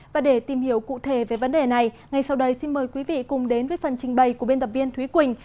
và để tìm hiểu cụ thể về vấn đề này ngay sau đây xin mời quý vị cùng đến với phần trình bày của biên tập viên thúy quỳnh